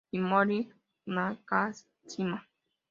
Hiromi Nakashima